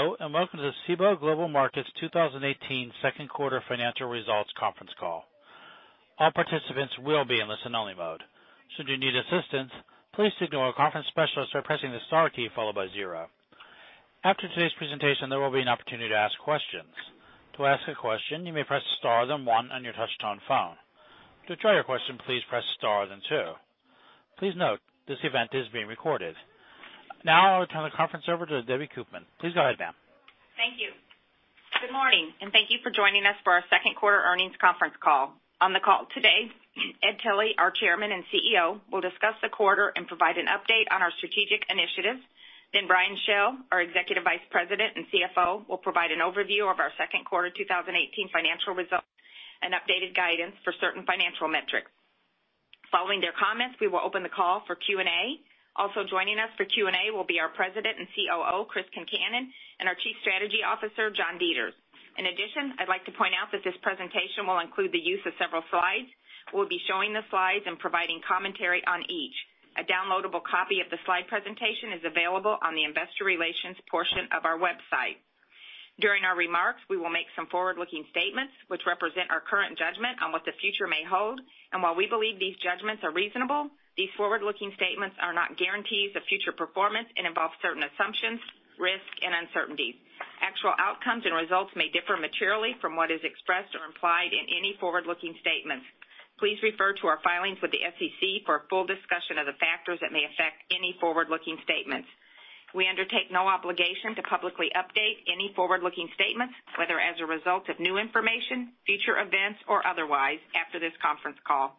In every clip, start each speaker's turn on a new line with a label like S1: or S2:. S1: Hello, welcome to Cboe Global Markets 2018 second quarter financial results conference call. All participants will be in listen only mode. Should you need assistance, please signal a conference specialist by pressing the star key followed by zero. After today's presentation, there will be an opportunity to ask questions. To ask a question, you may press star, then one on your touch-tone phone. To withdraw your question, please press star then two. Please note, this event is being recorded. I'll turn the conference over to Debbie Koopman. Please go ahead, ma'am.
S2: Thank you. Good morning, thank you for joining us for our second quarter earnings conference call. On the call today, Edward Tilly, our Chairman and CEO, will discuss the quarter and provide an update on our strategic initiatives. Brian Schell, our Executive Vice President and CFO, will provide an overview of our second quarter 2018 financial results and updated guidance for certain financial metrics. Following their comments, we will open the call for Q&A. Also joining us for Q&A will be our President and COO, Chris Concannon, and our Chief Strategy Officer, John Deters. In addition, I'd like to point out that this presentation will include the use of several slides. We'll be showing the slides and providing commentary on each. A downloadable copy of the slide presentation is available on the investor relations portion of our website. During our remarks, we will make some forward-looking statements which represent our current judgment on what the future may hold. While we believe these judgments are reasonable, these forward-looking statements are not guarantees of future performance and involve certain assumptions, risk, and uncertainty. Actual outcomes and results may differ materially from what is expressed or implied in any forward-looking statements. Please refer to our filings with the SEC for a full discussion of the factors that may affect any forward-looking statements. We undertake no obligation to publicly update any forward-looking statements, whether as a result of new information, future events, or otherwise, after this conference call.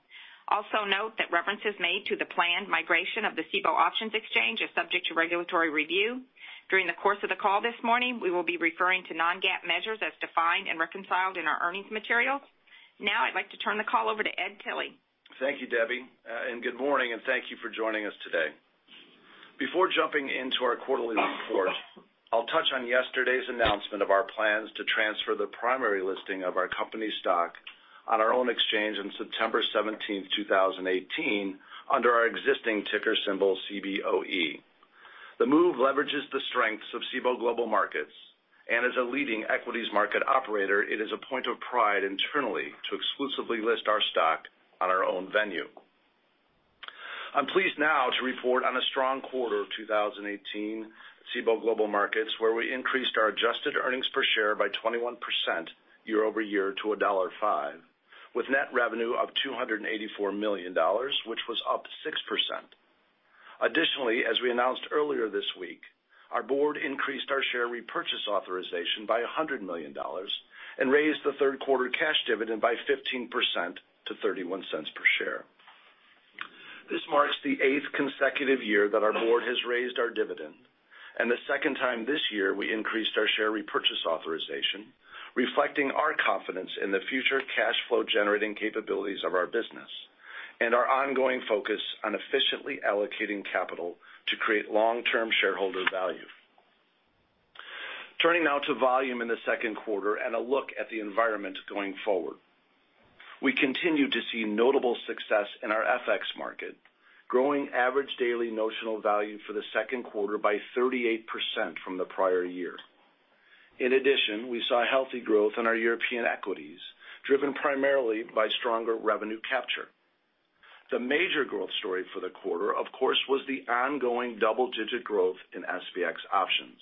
S2: Also note that reference is made to the planned migration of the Cboe Options Exchange is subject to regulatory review. During the course of the call this morning, we will be referring to non-GAAP measures as defined and reconciled in our earnings materials. I'd like to turn the call over to Edward Tilly.
S3: Thank you, Debbie, and good morning, and thank you for joining us today. Before jumping into our quarterly report, I will touch on yesterday's announcement of our plans to transfer the primary listing of our company stock on our own exchange on September 17th, 2018, under our existing ticker symbol, CBOE. The move leverages the strengths of Cboe Global Markets, and as a leading equities market operator, it is a point of pride internally to exclusively list our stock on our own venue. I am pleased now to report on a strong quarter of 2018 Cboe Global Markets, where we increased our adjusted earnings per share by 21% year-over-year to $1.05, with net revenue of $284 million, which was up 6%. Additionally, as we announced earlier this week, our board increased our share repurchase authorization by $100 million and raised the third-quarter cash dividend by 15% to $0.31 per share. This marks the eighth consecutive year that our board has raised our dividend, and the second time this year we increased our share repurchase authorization, reflecting our confidence in the future cash flow generating capabilities of our business and our ongoing focus on efficiently allocating capital to create long-term shareholder value. Turning now to volume in the second quarter and a look at the environment going forward. We continue to see notable success in our FX market, growing average daily notional value for the second quarter by 38% from the prior year. In addition, we saw healthy growth in our European equities, driven primarily by stronger revenue capture. The major growth story for the quarter, of course, was the ongoing double-digit growth in SPX options.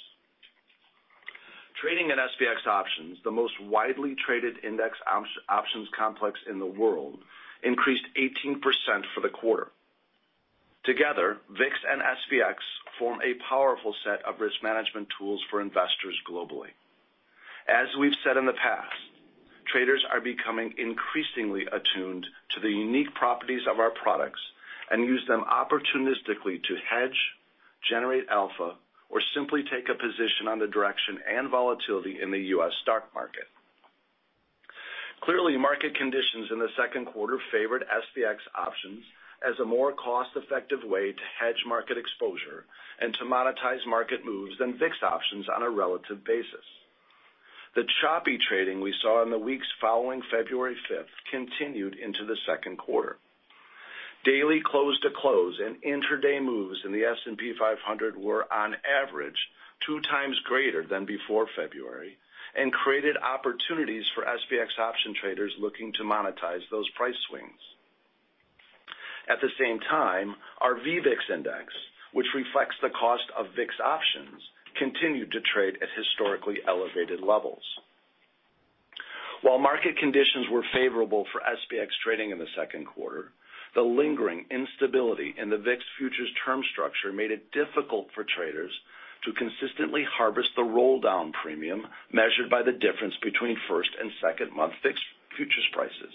S3: Trading in SPX options, the most widely traded index options complex in the world, increased 18% for the quarter. Together, VIX and SPX form a powerful set of risk management tools for investors globally. As we have said in the past, traders are becoming increasingly attuned to the unique properties of our products and use them opportunistically to hedge, generate alpha, or simply take a position on the direction and volatility in the U.S. stock market. Clearly, market conditions in the second quarter favored SPX options as a more cost-effective way to hedge market exposure and to monetize market moves than VIX options on a relative basis. The choppy trading we saw in the weeks following February 5th continued into the second quarter. Daily close to close and intraday moves in the S&P 500 were on average two times greater than before February and created opportunities for SPX option traders looking to monetize those price swings. At the same time, our VVIX Index, which reflects the cost of VIX options, continued to trade at historically elevated levels. While market conditions were favorable for SPX trading in the second quarter, the lingering instability in the VIX futures term structure made it difficult for traders to consistently harvest the roll-down premium measured by the difference between first and second-month VIX futures prices.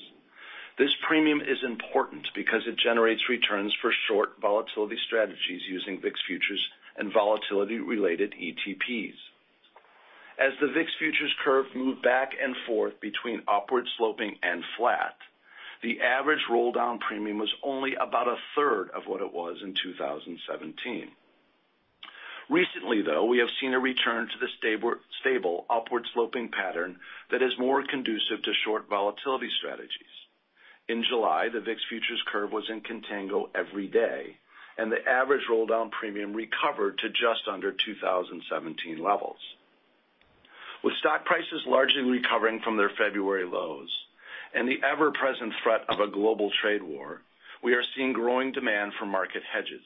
S3: This premium is important because it generates returns for short volatility strategies using VIX futures and volatility-related ETPs. As the VIX futures curve moved back and forth between upward sloping and flat, the average roll-down premium was only about a third of what it was in 2017. Recently, though, we have seen a return to the stable upward-sloping pattern that is more conducive to short volatility strategies. In July, the VIX futures curve was in contango every day, and the average roll down premium recovered to just under 2017 levels. With stock prices largely recovering from their February lows and the ever-present threat of a global trade war, we are seeing growing demand for market hedges.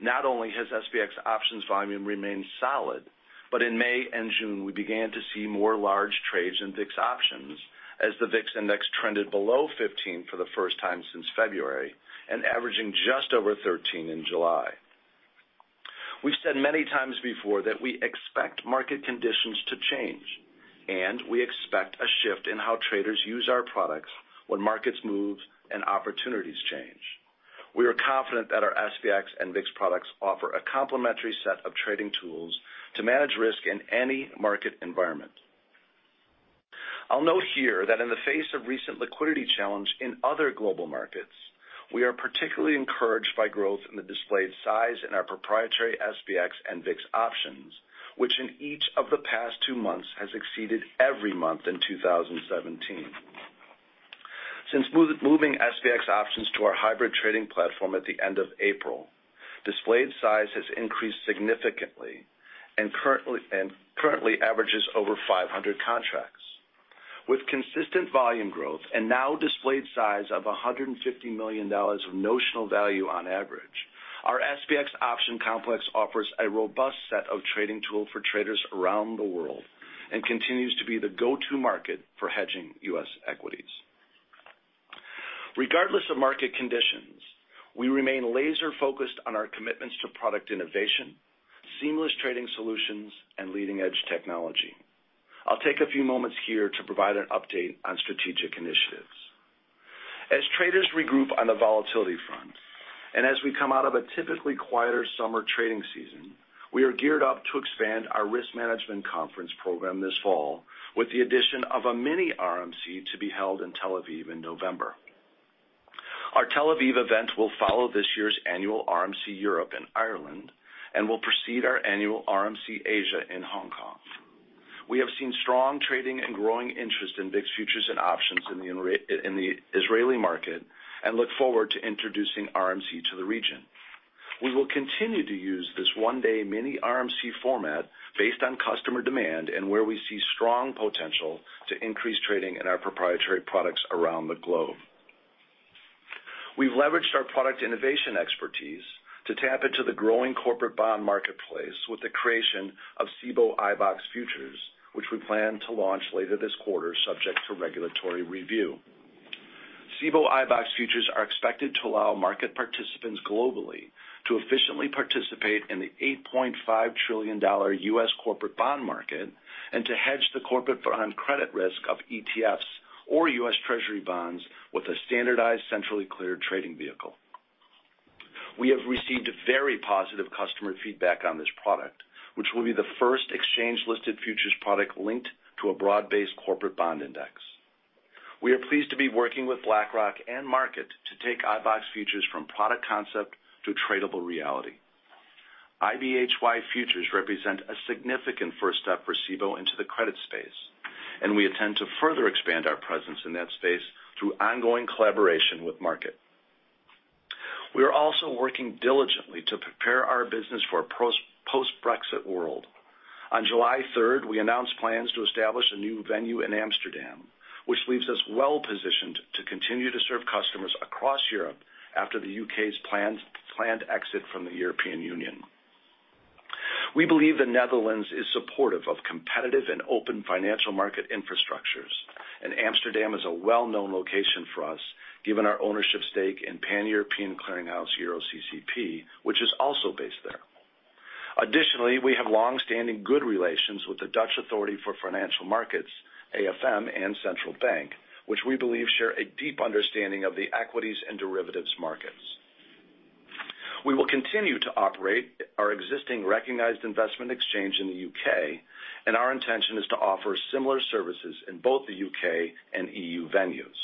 S3: Not only has SPX options volume remained solid, but in May and June, we began to see more large trades in VIX options as the VIX index trended below 15 for the first time since February, averaging just over 13 in July. We've said many times before that we expect market conditions to change. We expect a shift in how traders use our products when markets move and opportunities change. We are confident that our SPX and VIX products offer a complementary set of trading tools to manage risk in any market environment. I'll note here that in the face of recent liquidity challenge in other global markets, we are particularly encouraged by growth in the displayed size in our proprietary SPX and VIX options, which in each of the past two months has exceeded every month in 2017. Since moving SPX options to our hybrid trading platform at the end of April, displayed size has increased significantly and currently averages over 500 contracts. With consistent volume growth and now displayed size of $150 million of notional value on average, our SPX option complex offers a robust set of trading tool for traders around the world and continues to be the go-to market for hedging U.S. equities. Regardless of market conditions, we remain laser focused on our commitments to product innovation, seamless trading solutions, and leading edge technology. I'll take a few moments here to provide an update on strategic initiatives. As traders regroup on the volatility front, as we come out of a typically quieter summer trading season, we are geared up to expand our risk management conference program this fall with the addition of a mini RMC to be held in Tel Aviv in November. Our Tel Aviv event will follow this year's annual RMC Europe in Ireland and will precede our annual RMC Asia in Hong Kong. We have seen strong trading and growing interest in VIX futures and options in the Israeli market and look forward to introducing RMC to the region. We will continue to use this one day mini RMC format based on customer demand and where we see strong potential to increase trading in our proprietary products around the globe. We've leveraged our product innovation expertise to tap into the growing corporate bond marketplace with the creation of Cboe iBoxx futures, which we plan to launch later this quarter subject to regulatory review. Cboe iBoxx futures are expected to allow market participants globally to efficiently participate in the $8.5 trillion U.S. corporate bond market. To hedge the corporate bond credit risk of ETFs or U.S. Treasury bonds with a standardized centrally cleared trading vehicle, we have received very positive customer feedback on this product, which will be the first exchange listed futures product linked to a broad based corporate bond index. We are pleased to be working with BlackRock and Markit to take iBoxx futures from product concept to tradable reality. IBHY futures represent a significant first step for Cboe into the credit space, and we intend to further expand our presence in that space through ongoing collaboration with Markit. We are also working diligently to prepare our business for a post-Brexit world. On July 3rd, we announced plans to establish a new venue in Amsterdam, which leaves us well positioned to continue to serve customers across Europe after the U.K.'s planned exit from the European Union. We believe the Netherlands is supportive of competitive and open financial market infrastructures, and Amsterdam is a well known location for us given our ownership stake in Pan-European Clearing House, EuroCCP, which is also based there. Additionally, we have longstanding good relations with the Dutch Authority for Financial Markets, AFM, and Central Bank, which we believe share a deep understanding of the equities and derivatives markets. We will continue to operate our existing recognized investment exchange in the U.K., and our intention is to offer similar services in both the U.K. and EU venues.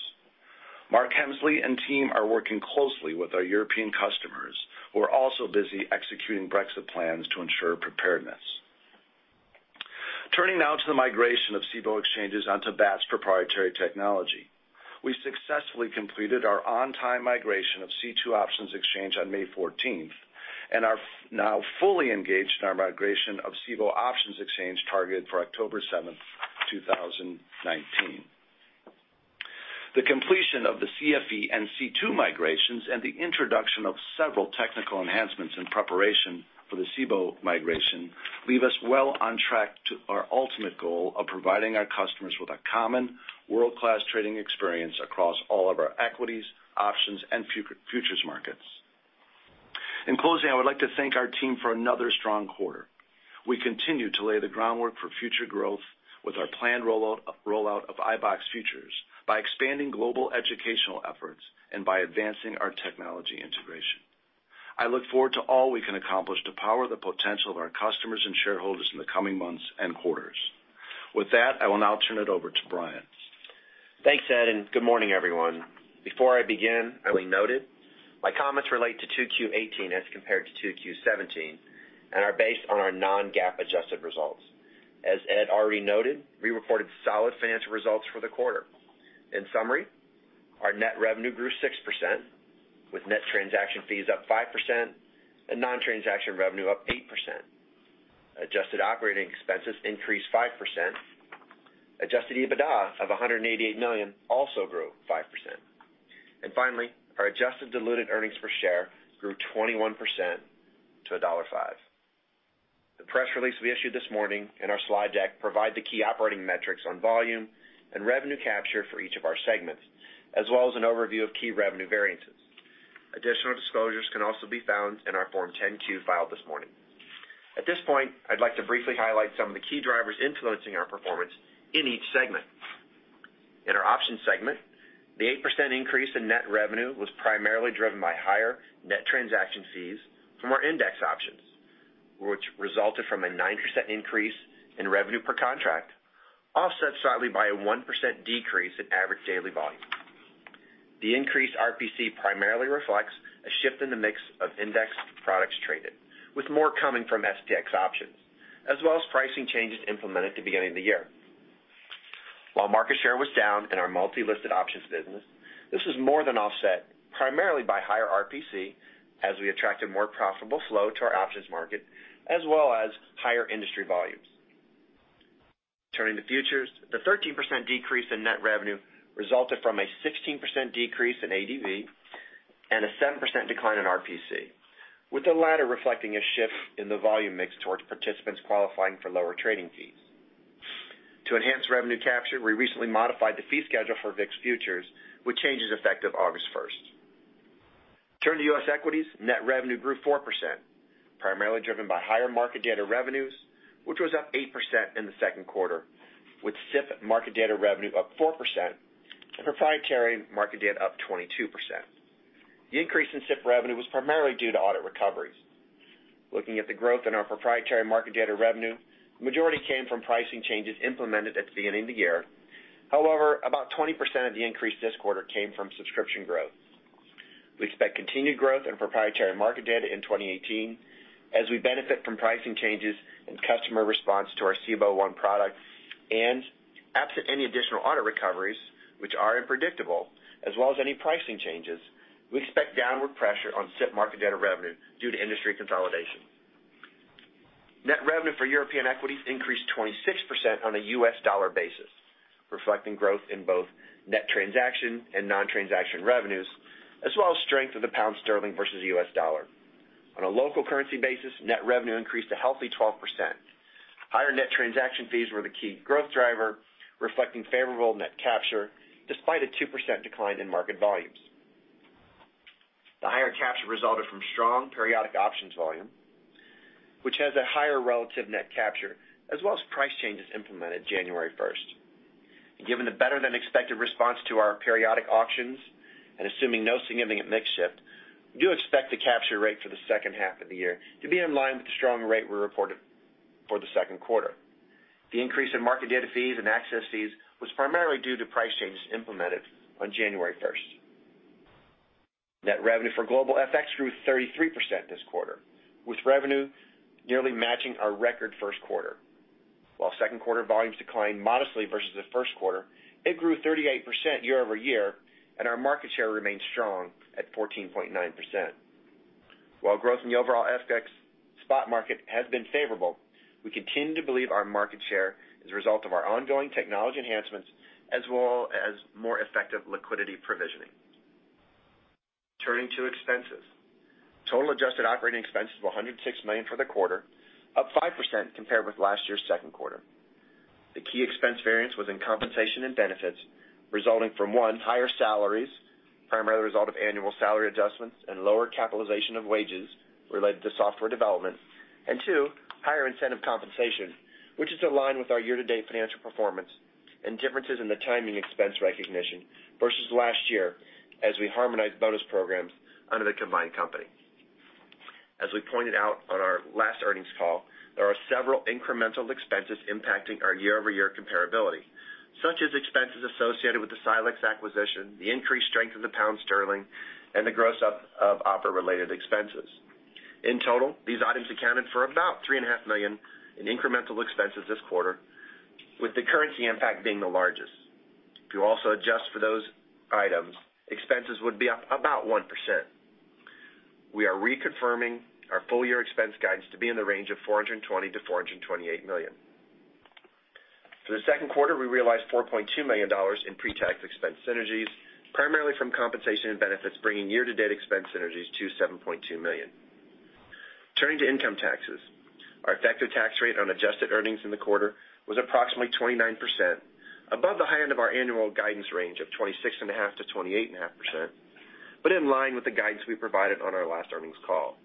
S3: Mark Hemsley and team are working closely with our European customers, who are also busy executing Brexit plans to ensure preparedness. Turning now to the migration of Cboe exchanges onto Bats proprietary technology. We successfully completed our on-time migration of C2 Options Exchange on May 14th, and are now fully engaged in our migration of Cboe Options Exchange targeted for October 7th, 2019. The completion of the CFE and C2 migrations and the introduction of several technical enhancements in preparation for the Cboe migration leave us well on track to our ultimate goal of providing our customers with a common world-class trading experience across all of our equities, options, and futures markets. In closing, I would like to thank our team for another strong quarter. We continue to lay the groundwork for future growth with our planned rollout of iBoxx futures by expanding global educational efforts and by advancing our technology integration. I look forward to all we can accomplish to power the potential of our customers and shareholders in the coming months and quarters. With that, I will now turn it over to Brian.
S4: Thanks, Ed. Good morning, everyone. Before I begin, I will note my comments relate to 2Q 2018 as compared to 2Q 2017 and are based on our non-GAAP adjusted results. As Ed already noted, we reported solid financial results for the quarter. In summary, our net revenue grew 6%, with net transaction fees up 5% and non-transaction revenue up 8%. Adjusted operating expenses increased 5%. Adjusted EBITDA of $188 million also grew 5%. Finally, our adjusted diluted earnings per share grew 21% to $1.05. The press release we issued this morning and our slide deck provide the key operating metrics on volume and revenue capture for each of our segments, as well as an overview of key revenue variances. Additional disclosures can also be found in our Form 10-Q filed this morning. At this point, I'd like to briefly highlight some of the key drivers influencing our performance in each segment. In our option segment, the 8% increase in net revenue was primarily driven by higher net transaction fees from our index options, which resulted from a 9% increase in revenue per contract, offset slightly by a 1% decrease in average daily volume. The increased RPC primarily reflects a shift in the mix of index products traded, with more coming from SPX options, as well as pricing changes implemented at the beginning of the year. While market share was down in our multi-listed options business, this was more than offset primarily by higher RPC as we attracted more profitable flow to our options market as well as higher industry volumes. Turning to futures, the 13% decrease in net revenue resulted from a 16% decrease in ADV and a 7% decline in RPC, with the latter reflecting a shift in the volume mix towards participants qualifying for lower trading fees. To enhance revenue capture, we recently modified the fee schedule for VIX futures, with changes effective August 1st. Turning to U.S. equities, net revenue grew 4%, primarily driven by higher market data revenues, which was up 8% in the second quarter, with SIP market data revenue up 4% and proprietary market data up 22%. The increase in SIP revenue was primarily due to audit recoveries. Looking at the growth in our proprietary market data revenue, the majority came from pricing changes implemented at the beginning of the year. However, about 20% of the increase this quarter came from subscription growth. We expect continued growth in proprietary market data in 2018 as we benefit from pricing changes and customer response to our Cboe One product. Absent any additional audit recoveries, which are unpredictable, as well as any pricing changes, we expect downward pressure on SIP market data revenue due to industry consolidation. Net revenue for European equities increased 26% on a U.S. dollar basis, reflecting growth in both net transaction and non-transaction revenues, as well as strength of the pound sterling versus the U.S. dollar. On a local currency basis, net revenue increased a healthy 12%. Higher net transaction fees were the key growth driver, reflecting favorable net capture despite a 2% decline in market volumes. The higher capture resulted from strong periodic auctions volume, which has a higher relative net capture, as well as price changes implemented January 1st. Given the better-than-expected response to our periodic auctions and assuming no significant mix shift, we do expect the capture rate for the second half of the year to be in line with the strong rate we reported for the second quarter. The increase in market data fees and access fees was primarily due to price changes implemented on January 1st. Net revenue for global FX grew 33% this quarter, with revenue nearly matching our record first quarter. Second quarter volumes declined modestly versus the first quarter, it grew 38% year-over-year, and our market share remains strong at 14.9%. Growth in the overall FX spot market has been favorable, we continue to believe our market share is a result of our ongoing technology enhancements, as well as more effective liquidity provisioning. Turning to expenses. Total adjusted operating expenses were $106 million for the quarter, up 5% compared with last year's second quarter. The key expense variance was in compensation and benefits, resulting from, one, higher salaries, primarily a result of annual salary adjustments and lower capitalization of wages related to software development, and two, higher incentive compensation, which is aligned with our year-to-date financial performance and differences in the timing expense recognition versus last year as we harmonized bonus programs under the combined company. As we pointed out on our last earnings call, there are several incremental expenses impacting our year-over-year comparability, such as expenses associated with the Silexx acquisition, the increased strength of the pound sterling, and the gross-up of OPRA-related expenses. In total, these items accounted for about $3.5 million in incremental expenses this quarter, with the currency impact being the largest. If you also adjust for those items, expenses would be up about 1%. We are reconfirming our full-year expense guidance to be in the range of $420 million-$428 million. For the second quarter, we realized $4.2 million in pre-tax expense synergies, primarily from compensation and benefits, bringing year-to-date expense synergies to $7.2 million. Turning to income taxes. Our effective tax rate on adjusted earnings in the quarter was approximately 29%, above the high end of our annual guidance range of 26.5%-28.5%, but in line with the guidance we provided on our last earnings call.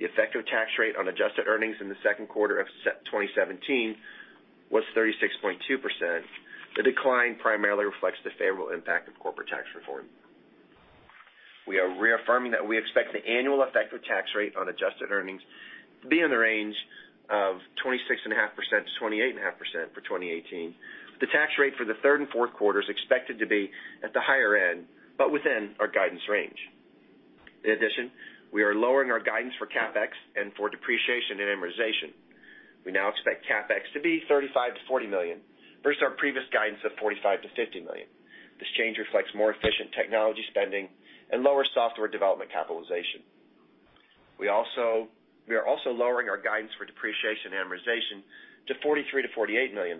S4: The effective tax rate on adjusted earnings in the second quarter of 2017 was 36.2%. The decline primarily reflects the favorable impact of corporate tax reform. We are reaffirming that we expect the annual effective tax rate on adjusted earnings to be in the range of 26.5%-28.5% for 2018. The tax rate for the third and fourth quarters expected to be at the higher end, but within our guidance range. In addition, we are lowering our guidance for CapEx and for depreciation and amortization. We now expect CapEx to be $35 million-$40 million, versus our previous guidance of $45 million-$50 million. This change reflects more efficient technology spending and lower software development capitalization. We are also lowering our guidance for depreciation and amortization to $43 million-$48 million,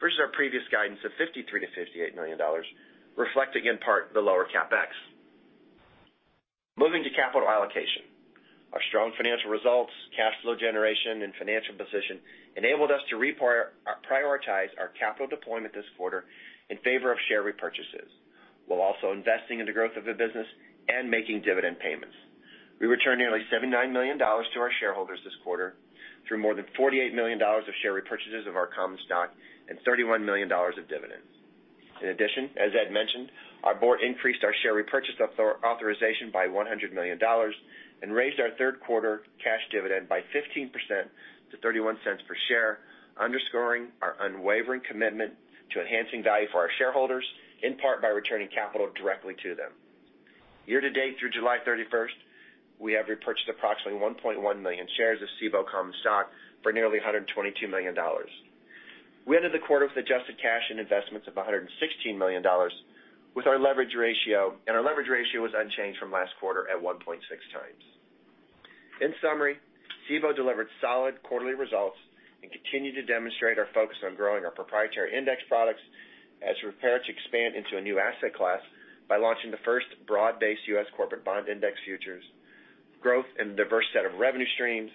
S4: versus our previous guidance of $53 million-$58 million, reflecting in part the lower CapEx. Moving to capital allocation. Our strong financial results, cash flow generation, and financial position enabled us to reprioritize our capital deployment this quarter in favor of share repurchases, while also investing in the growth of the business and making dividend payments. We returned nearly $79 million to our shareholders this quarter through more than $48 million of share repurchases of our common stock and $31 million of dividends. In addition, as Ed mentioned, our board increased our share repurchase authorization by $100 million and raised our third quarter cash dividend by 15% to $0.31 per share, underscoring our unwavering commitment to enhancing value for our shareholders, in part by returning capital directly to them. Year-to-date through July 31st, we have repurchased approximately 1.1 million shares of Cboe common stock for nearly $122 million. We ended the quarter with adjusted cash and investments of $116 million, and our leverage ratio was unchanged from last quarter at 1.6 times. In summary, Cboe delivered solid quarterly results and continued to demonstrate our focus on growing our proprietary index products as we prepare to expand into a new asset class by launching the first broad-based U.S. corporate bond index futures, growth in a diverse set of revenue streams,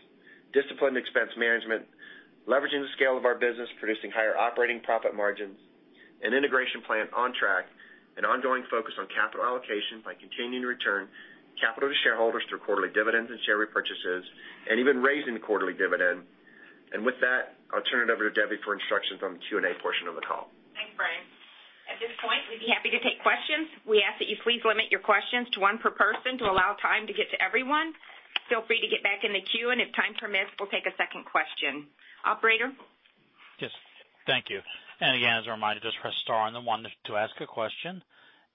S4: disciplined expense management, leveraging the scale of our business, producing higher operating profit margins, an integration plan on track, an ongoing focus on capital allocation by continuing to return capital to shareholders through quarterly dividends and share repurchases, and even raising the quarterly dividend. With that, I'll turn it over to Debbie for instructions on the Q&A portion of the call.
S2: Thanks, Brian. At this point, we'd be happy to take questions. We ask that you please limit your questions to one per person to allow time to get to everyone. Feel free to get back in the queue, and if time permits, we'll take a second question. Operator?
S1: Yes. Thank you. Again, as a reminder, just press star on the one to ask a question.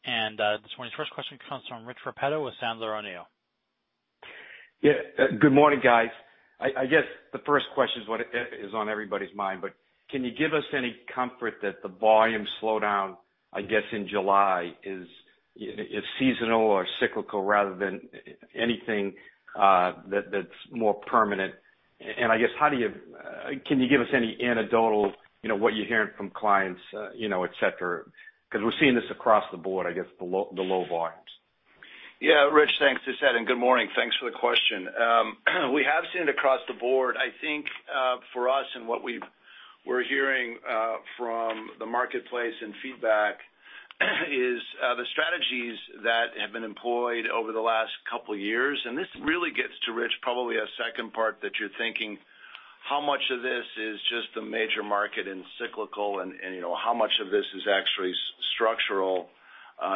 S1: This morning's first question comes from Richard Repetto with Sandler O'Neill.
S5: Yeah. Good morning, guys. I guess the first question is what is on everybody's mind, but can you give us any comfort that the volume slowdown, I guess, in July is seasonal or cyclical rather than anything that's more permanent? I guess, can you give us any anecdotal, what you're hearing from clients, et cetera? Because we're seeing this across the board, I guess, the low volumes.
S3: Rich, thanks. This is Ed, good morning. Thanks for the question. We have seen it across the board. I think, for us, what we're hearing from the marketplace and feedback, is the strategies that have been employed over the last couple of years, and this really gets to Rich, probably a second part that you're thinking, how much of this is just a major market and cyclical, and how much of this is actually structural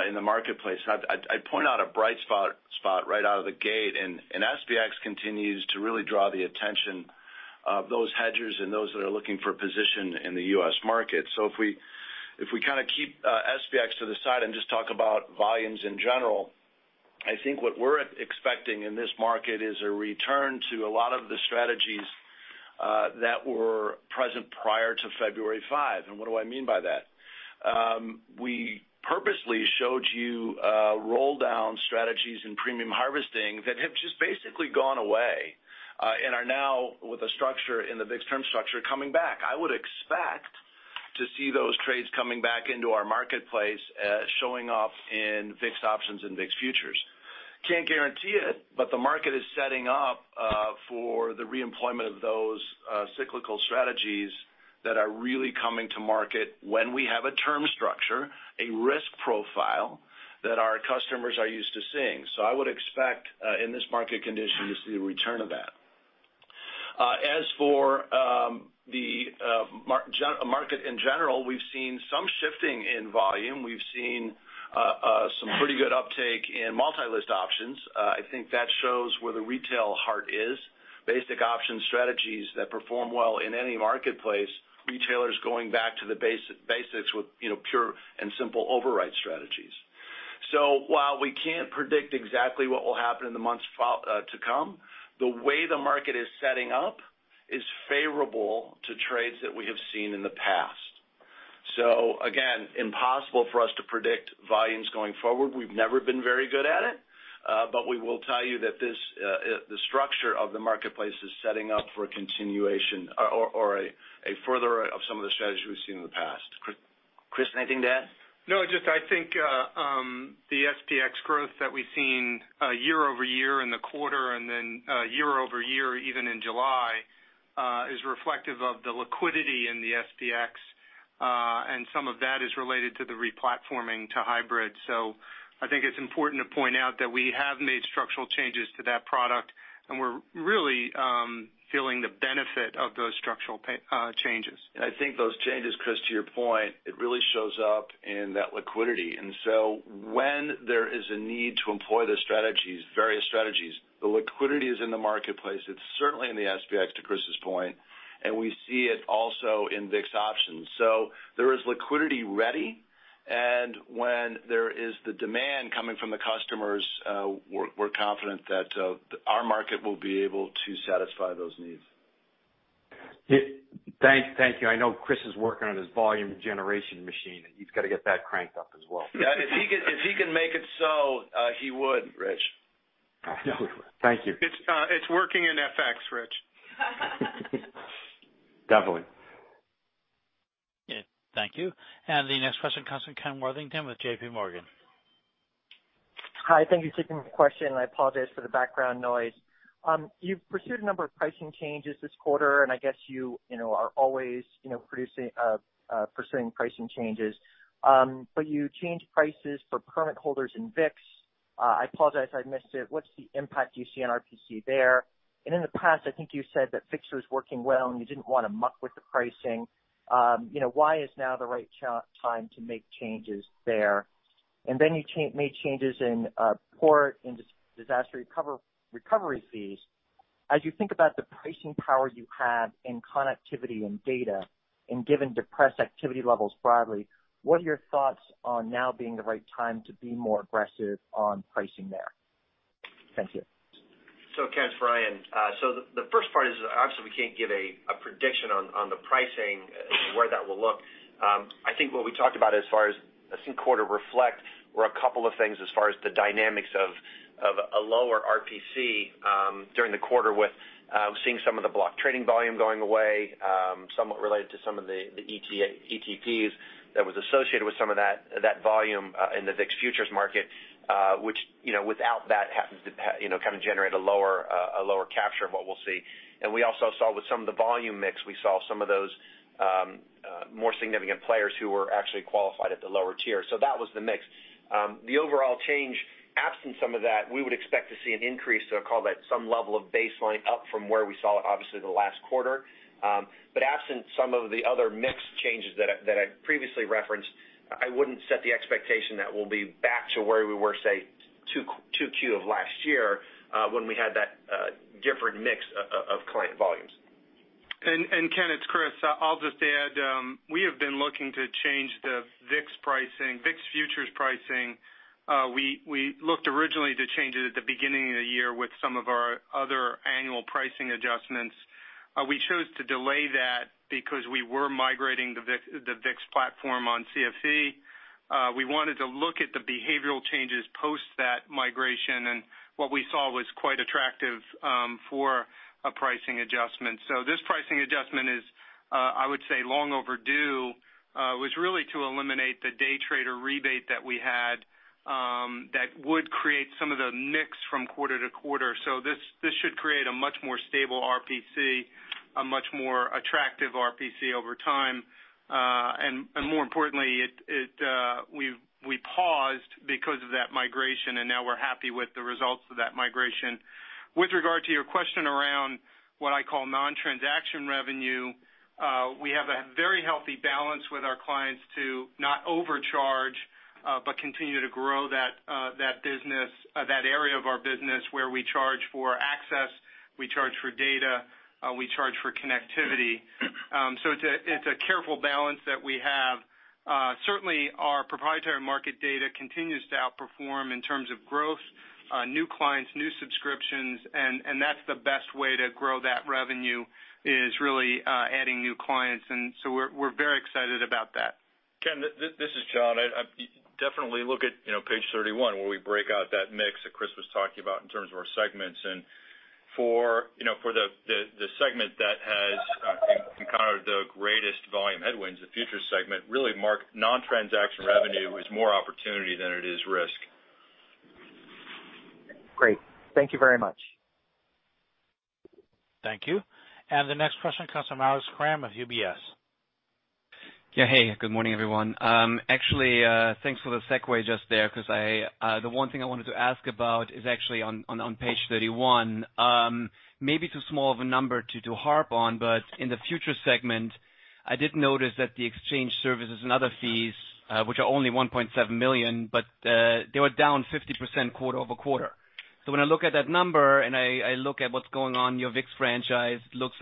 S3: in the marketplace? I'd point out a bright spot right out of the gate, and SPX continues to really draw the attention of those hedgers and those that are looking for a position in the U.S. market.
S4: If we kind of keep SPX to the side and just talk about volumes in general, I think what we're expecting in this market is a return to a lot of the strategies that were present prior to February five. What do I mean by that? We purposely showed you roll down strategies and premium harvesting that have just basically gone away, and are now, with a structure in the VIX term structure, coming back. I would expect to see those trades coming back into our marketplace, showing up in VIX options and VIX futures. Can't guarantee it, but the market is setting up for the re-employment of those cyclical strategies that are really coming to market when we have a term structure, a risk profile that our customers are used to seeing. I would expect, in this market condition, to see a return of that. As for the market in general, we've seen some shifting in volume. We've seen some pretty good uptake in multi-list options. I think that shows where the retail heart is. Basic option strategies that perform well in any marketplace, retailers going back to the basics with pure and simple override strategies. While we can't predict exactly what will happen in the months to come, the way the market is setting up is favorable to trades that we have seen in the past. Again, impossible for us to predict volumes going forward. We've never been very good at it, but we will tell you that the structure of the marketplace is setting up for a continuation or a further of some of the strategies we've seen in the past.
S2: Chris, anything to add?
S6: I think the SPX growth that we've seen year-over-year in the quarter and then year-over-year even in July, is reflective of the liquidity in the SPX, and some of that is related to the re-platforming to hybrid. I think it's important to point out that we have made structural changes to that product, and we're really feeling the benefit of those structural changes.
S4: I think those changes, Chris, to your point, it really shows up in that liquidity. When there is a need to employ those strategies.
S3: The liquidity is in the marketplace. It's certainly in the SPX, to Chris's point, and we see it also in VIX options. There is liquidity ready, and when there is the demand coming from the customers, we're confident that our market will be able to satisfy those needs.
S5: Thank you. I know Chris is working on his volume generation machine, and he's got to get that cranked up as well.
S6: Yeah, if he can make it so, he would, Rich.
S7: Absolutely. Thank you.
S6: It's working in FX, Rich.
S5: Definitely.
S1: Yeah, thank you. The next question comes from Kenneth Worthington with J.P. Morgan.
S8: Hi, thank you for taking my question, I apologize for the background noise. You've pursued a number of pricing changes this quarter, I guess you are always pursuing pricing changes. You changed prices for permit holders in VIX. I apologize if I missed it. What's the impact do you see on RPC there? In the past, I think you said that VIX is working well, you didn't want to muck with the pricing. Why is now the right time to make changes there? You made changes in port and disaster recovery fees. As you think about the pricing power you have in connectivity and data and given depressed activity levels broadly, what are your thoughts on now being the right time to be more aggressive on pricing there? Thank you.
S4: Ken, it's Brian. The first part is, obviously, we can't give a prediction on the pricing, where that will look. I think what we talked about as far as the quarter reflected were a couple of things as far as the dynamics of a lower RPC during the quarter with seeing some of the block trading volume going away, somewhat related to some of the ETPs that was associated with some of that volume in the VIX futures market which, without that happens to generate a lower capture of what we'll see. We also saw with some of the volume mix, we saw some of those more significant players who were actually qualified at the lower tier. That was the mix. The overall change, absent some of that, we would expect to see an increase. Call that some level of baseline up from where we saw it, obviously, the last quarter. Absent some of the other mix changes that I previously referenced, I wouldn't set the expectation that we'll be back to where we were, say, 2Q of last year, when we had that different mix of client volumes.
S6: Ken, it's Chris. I'll just add, we have been looking to change the VIX futures pricing. We looked originally to change it at the beginning of the year with some of our other annual pricing adjustments. We chose to delay that because we were migrating the VIX platform on CFE. We wanted to look at the behavioral changes post that migration, what we saw was quite attractive for a pricing adjustment. This pricing adjustment is, I would say, long overdue, was really to eliminate the day trader rebate that we had that would create some of the mix from quarter to quarter. This should create a much more stable RPC, a much more attractive RPC over time. More importantly, we paused because of that migration, now we're happy with the results of that migration. With regard to your question around what I call non-transaction revenue, we have a very healthy balance with our clients to not overcharge but continue to grow that area of our business where we charge for access, we charge for data, we charge for connectivity. It's a careful balance that we have. Certainly, our proprietary market data continues to outperform in terms of growth, new clients, new subscriptions, that's the best way to grow that revenue is really adding new clients. We're very excited about that.
S7: Ken, this is John. Definitely look at page 31, where we break out that mix that Chris was talking about in terms of our segments. For the segment that has encountered the greatest volume headwinds, the future segment, really marked non-transaction revenue is more opportunity than it is risk.
S8: Great. Thank you very much.
S1: Thank you. The next question comes from Alex Kramm of UBS.
S9: Hey, good morning, everyone. Thanks for the segue just there, because the one thing I wanted to ask about is on page 31. Maybe too small of a number to harp on, but in the future segment, I did notice that the exchange services and other fees, which are only $1.7 million, they were down 50% quarter-over-quarter. When I look at that number and I look at what's going on in your VIX franchise, it looks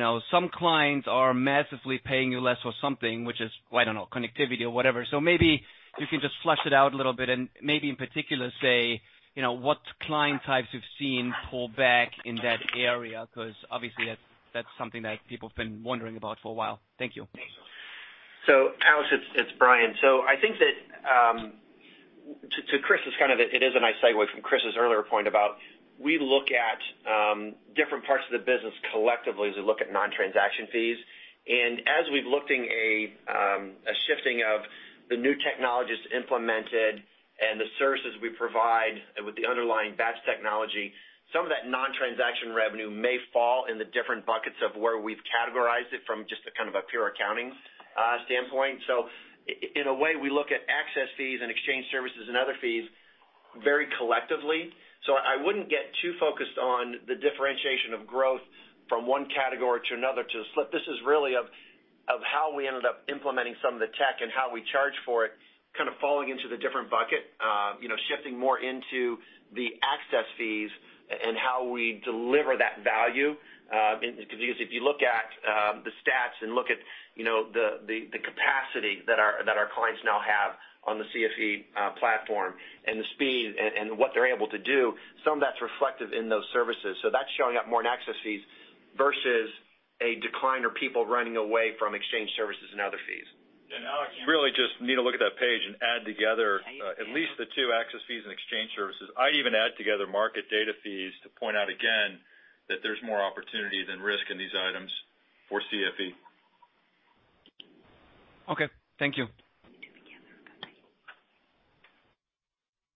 S9: like some clients are massively paying you less for something, which is, I don't know, connectivity or whatever. Maybe you can just flush it out a little bit and maybe in particular say, what client types you've seen pull back in that area, because obviously that's something that people have been wondering about for a while. Thank you.
S4: Alex, it's Brian. I think that, to Chris, it is a nice segue from Chris's earlier point about we look at different parts of the business collectively as we look at non-transaction fees. As we've looked at a shifting of the new technologies implemented and the services we provide with the underlying Bats technology, some of that non-transaction revenue may fall in the different buckets of where we've categorized it from just a kind of a pure accounting standpoint. In a way, we look at access fees and exchange services and other fees very collectively. I wouldn't get too focused on the differentiation of growth from one category to another to slip. This is really a Of how we ended up implementing some of the tech and how we charge for it, kind of falling into the different bucket, shifting more into the access fees and how we deliver that value. If you look at the stats and look at the capacity that our clients now have on the CFE platform and the speed and what they're able to do, some of that's reflected in those services. That's showing up more in access fees versus a decline or people running away from exchange services and other fees.
S6: Alex, really just need to look at that page and add together at least the two access fees and exchange services. I even add together market data fees to point out again that there's more opportunity than risk in these items for CFE.
S9: Okay. Thank you.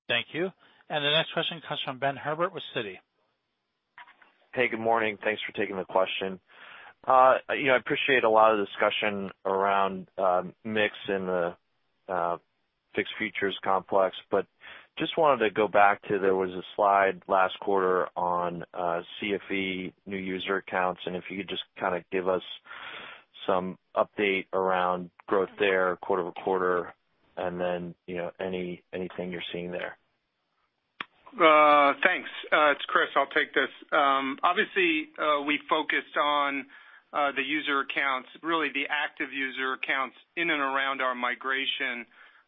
S1: Thank you. The next question comes from Benjamin Herbert with Citi.
S10: Hey, good morning. Thanks for taking the question. I appreciate a lot of the discussion around mix and the VIX futures complex, but just wanted to go back to, there was a slide last quarter on CFE new user accounts, if you could just kind of give us some update around growth there quarter-over-quarter then anything you're seeing there.
S6: Thanks. It's Chris, I'll take this. Obviously, we focused on the user accounts, really the active user accounts in and around our migration.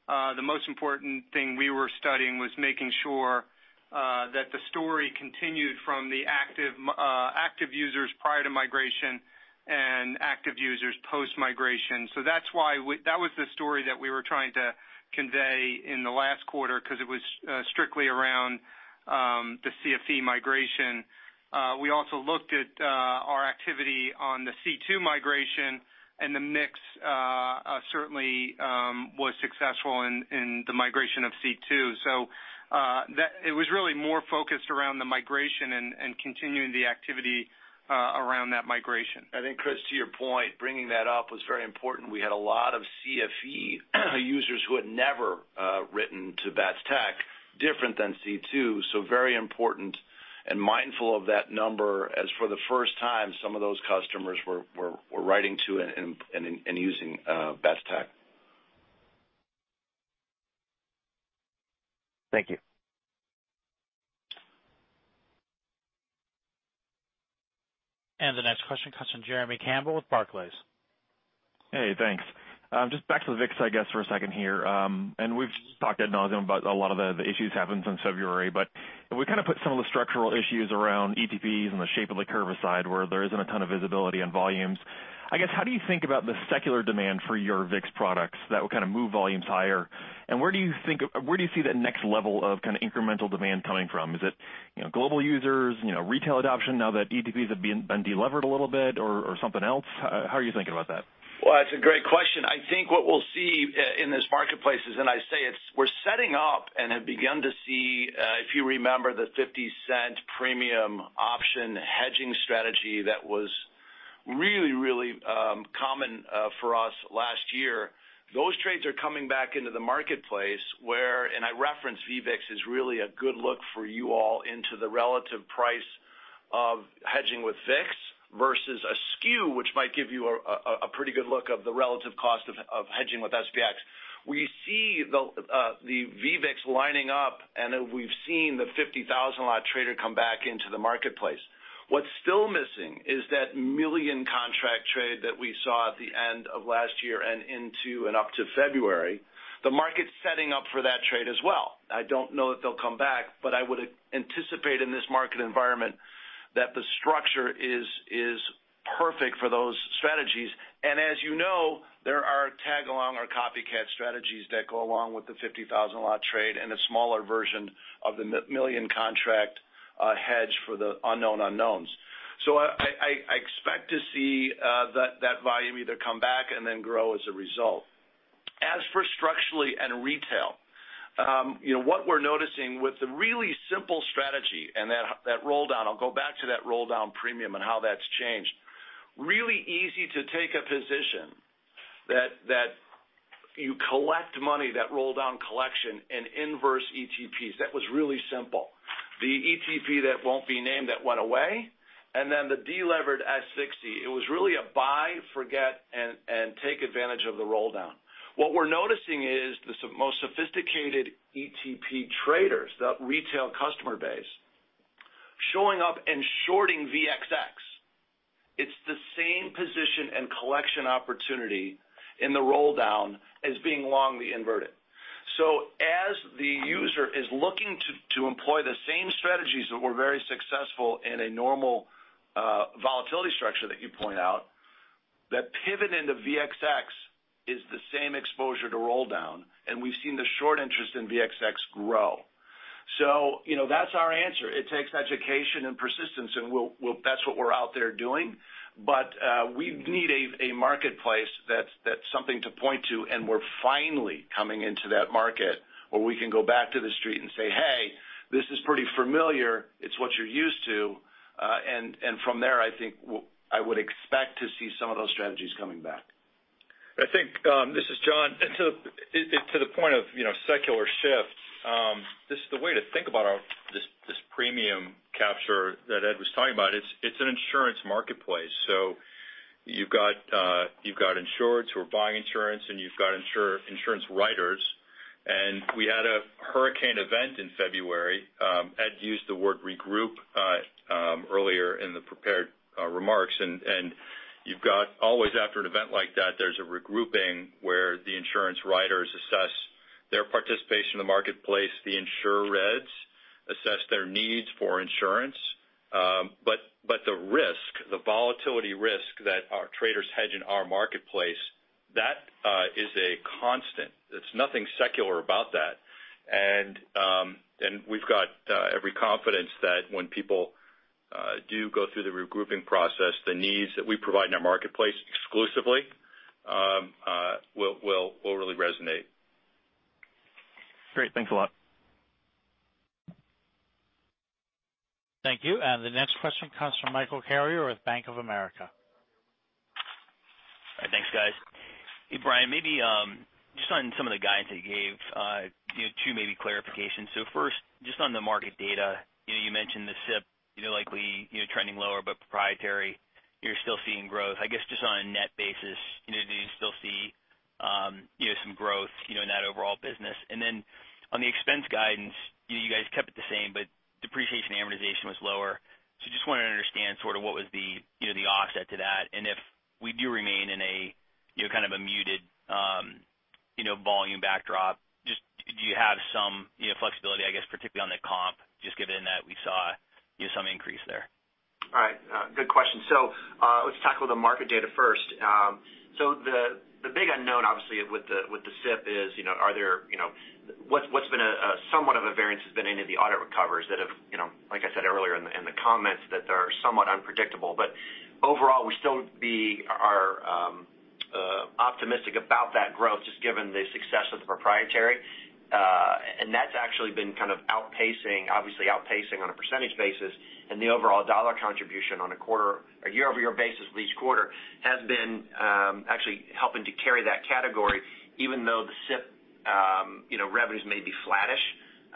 S6: The most important thing we were studying was making sure that the story continued from the active users prior to migration and active users post-migration. That was the story that we were trying to convey in the last quarter because it was strictly around the CFE migration. We also looked at our activity on the C2 migration, the mix certainly was successful in the migration of C2. It was really more focused around the migration and continuing the activity around that migration.
S3: I think, Chris, to your point, bringing that up was very important. We had a lot of CFE users who had never written to Bats technology different than C2, so very important and mindful of that number as for the first time, some of those customers were writing to and using Bats technology.
S10: Thank you.
S1: The next question comes from Jeremy Campbell with Barclays.
S11: Hey, thanks. Just back to the VIX, I guess, for a second here. We've talked ad nauseam about a lot of the issues happened in February. If we kind of put some of the structural issues around ETPs and the shape of the curve aside where there isn't a ton of visibility on volumes, I guess, how do you think about the secular demand for your VIX products that would kind of move volumes higher? Where do you see the next level of kind of incremental demand coming from? Is it global users, retail adoption now that ETPs have been de-levered a little bit or something else? How are you thinking about that?
S3: Well, that's a great question. I think what we'll see in this marketplace is, and I say it's we're setting up and have begun to see, if you remember the $0.50 premium option hedging strategy that was really, really common for us last year. Those trades are coming back into the marketplace where, and I reference VVIX is really a good look for you all into the relative price of hedging with VIX versus a skew, which might give you a pretty good look of the relative cost of hedging with SPX. We see the VVIX lining up, and we've seen the 50,000-lot trader come back into the marketplace. What's still missing is that million contract trade that we saw at the end of last year and into and up to February. The market's setting up for that trade as well. I don't know if they'll come back, I would anticipate in this market environment that the structure is perfect for those strategies. As you know, there are tag-along or copycat strategies that go along with the 50,000-lot trade and a smaller version of the million contract hedge for the unknown unknowns. I expect to see that volume either come back and then grow as a result. As for structurally and retail, what we're noticing with the really simple strategy and that roll-down, I'll go back to that roll-down premium and how that's changed. Really easy to take a position that you collect money, that roll-down collection and inverse ETPs. That was really simple. The ETP that won't be named that went away, and then the de-levered SVXY. It was really a buy, forget, and take advantage of the roll-down. What we're noticing is the most sophisticated ETP traders, that retail customer base, showing up and shorting VXX. It's the same position and collection opportunity in the roll-down as being long the inverted. As the user is looking to employ the same strategies that were very successful in a normal volatility structure that you point out, that pivot into VXX is the same exposure to roll-down, and we've seen the short interest in VXX grow. That's our answer. It takes education and persistence, and that's what we're out there doing. We need a marketplace that's something to point to, and we're finally coming into that market where we can go back to The Street and say, "Hey, this is pretty familiar. It's what you're used to." From there, I think I would expect to see some of those strategies coming back.
S7: I think, this is John. To the point of secular shift, this is the way to think about this premium capture that Ed was talking about, it's an insurance marketplace. You've got insureds who are buying insurance, and you've got insurance writers. We had a hurricane event in February. Ed used the word regroup earlier in the prepared remarks. You've got always after an event like that, there's a regrouping where the insurance writers assess their participation in the marketplace. The insureds assess their needs for insurance. The risk, the volatility risk that our traders hedge in our marketplace, that is a constant. There's nothing secular about that. We've got every confidence that when people do go through the regrouping process, the needs that we provide in our marketplace exclusively will really resonate.
S11: Great. Thanks a lot.
S1: Thank you. The next question comes from Michael Carrier with Bank of America.
S12: All right, thanks, guys. Hey, Brian, maybe just on some of the guidance that you gave, two maybe clarifications. First, just on the market data. You mentioned the SIP likely trending lower, but proprietary, you're still seeing growth. I guess, just on a net basis, do you still see some growth in that overall business? Then on the expense guidance, you guys kept it the same, but depreciation amortization was lower. Just wanted to understand sort of what was the offset to that, and if we do remain in a kind of a muted volume backdrop, just do you have some flexibility, I guess, particularly on the comp, just given that we saw some increase there?
S4: All right, good question. Let's tackle the market data first. The big unknown, obviously, with the SIP is what's been somewhat of a variance has been any of the audit recoveries that have, like I said earlier in the comments, that they are somewhat unpredictable. Overall, we still are optimistic about that growth, just given the success of the proprietary. That's actually been kind of outpacing, obviously outpacing on a percentage basis, and the overall dollar contribution on a year-over-year basis of each quarter has been actually helping to carry that category, even though the SIP revenues may be flattish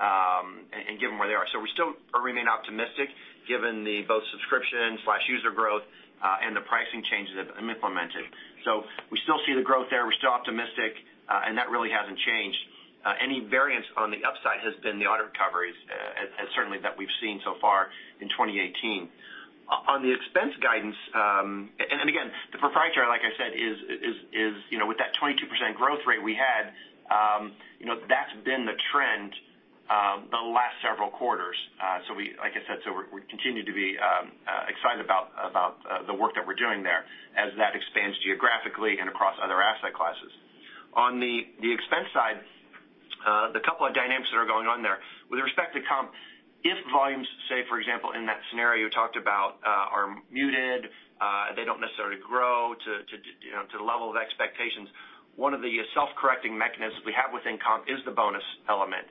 S4: and given where they are. We still remain optimistic given both subscription/user growth, and the pricing changes that have been implemented. We still see the growth there. We're still optimistic, and that really hasn't changed. Any variance on the upside has been the audit recoveries, certainly that we've seen so far in 2018. On the expense guidance, again, the proprietary, like I said, with that 22% growth rate we had, that's been the trend the last several quarters. Like I said, we continue to be excited about the work that we're doing there as that expands geographically and across other asset classes. On the expense side, the couple of dynamics that are going on there. With respect to comp, if volumes, say, for example, in that scenario you talked about are muted, they don't necessarily grow to the level of expectations. One of the self-correcting mechanisms we have within comp is the bonus element,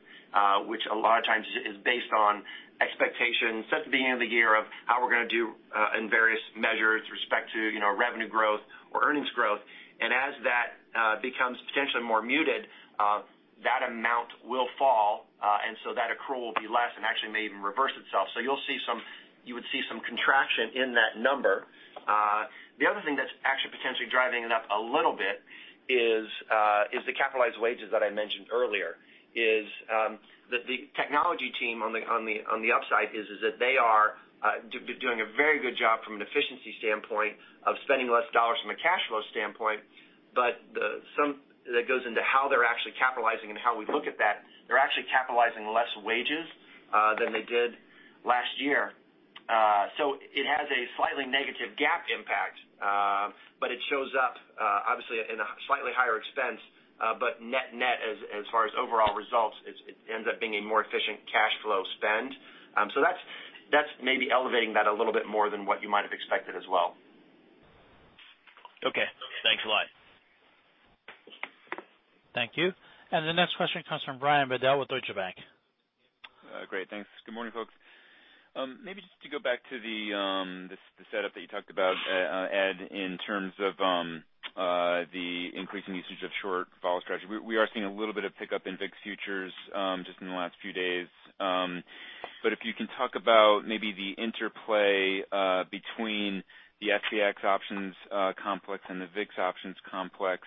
S4: which a lot of times is based on expectations set at the beginning of the year of how we're going to do in various measures with respect to revenue growth or earnings growth. As that becomes potentially more muted, that amount will fall, that accrual will be less and actually may even reverse itself. You would see some contraction in that number. The other thing that's actually potentially driving it up a little bit is the capitalized wages that I mentioned earlier, is that the technology team on the upside is that they are doing a very good job from an efficiency standpoint of spending less dollars from a cash flow standpoint. That goes into how they're actually capitalizing and how we look at that. They're actually capitalizing less wages than they did last year. It has a slightly negative GAAP impact. It shows up obviously in a slightly higher expense. Net-net, as far as overall results, it ends up being a more efficient cash flow spend. That's maybe elevating that a little bit more than what you might have expected as well.
S12: Okay. Thanks a lot.
S1: Thank you. The next question comes from Brian Bedell with Deutsche Bank.
S13: Great. Thanks. Good morning, folks. Maybe just to go back to the setup that you talked about, Ed, in terms of the increasing usage of short vol strategy. We are seeing a little bit of pickup in VIX futures just in the last few days. If you can talk about maybe the interplay between the SPX options complex and the VIX options complex,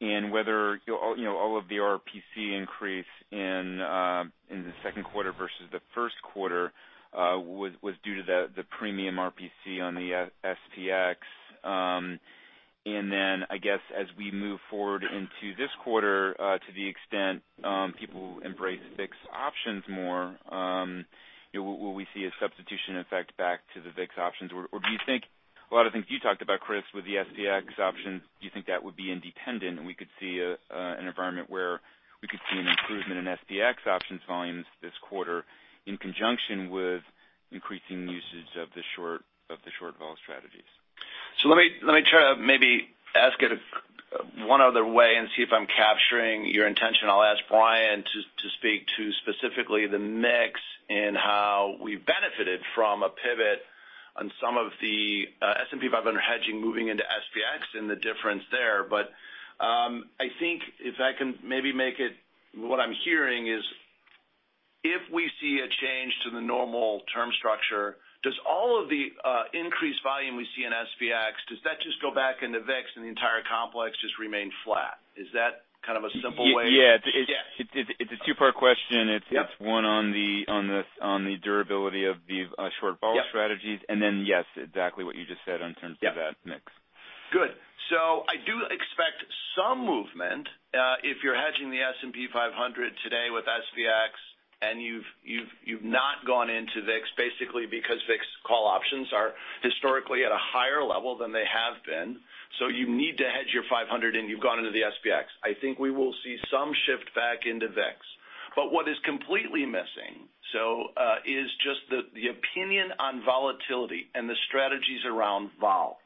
S13: whether all of the RPC increase in the second quarter versus the first quarter was due to the premium RPC on the SPX. Then I guess as we move forward into this quarter, to the extent people embrace VIX options more, will we see a substitution effect back to the VIX options? Do you think a lot of things you talked about, Chris, with the SPX options, do you think that would be independent and we could see an environment where we could see an improvement in SPX options volumes this quarter in conjunction with increasing usage of the short vol strategies?
S3: Let me try to maybe ask it one other way and see if I'm capturing your intention. I'll ask Brian to speak to specifically the mix and how we've benefited from a pivot On some of the S&P 500 hedging moving into SPX and the difference there. I think if I can maybe make it, what I'm hearing is if we see a change to the normal term structure, does all of the increased volume we see in SPX, does that just go back into VIX and the entire complex just remain flat? Is that kind of a simple way?
S13: Yeah.
S3: Yes. It's a two-part question.
S13: Yep.
S3: It's one on the durability of the short vol strategies.
S13: Yep.
S3: Yes, exactly what you just said in terms of that mix. Good. I do expect some movement. If you're hedging the S&P 500 today with SPX and you've not gone into VIX, basically because VIX call options are historically at a higher level than they have been. You need to hedge your 500 and you've gone into the SPX. I think we will see some shift back into VIX. What is completely missing is just the opinion on volatility and the strategies around vol.